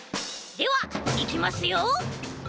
ではいきますよ。